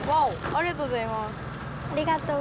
ありがとうございます。